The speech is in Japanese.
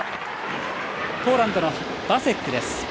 ポーランドのバセックです。